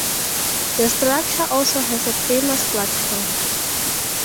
The structure also has a famous platform.